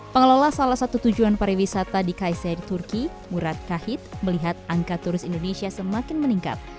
pengelola salah satu tujuan pariwisata di kaisar turki murad kahit melihat angka turis indonesia semakin meningkat